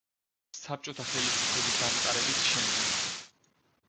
საბჭოთა ხელისუფლების დამყარების შემდეგ.